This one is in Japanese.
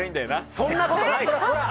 そんなことないです！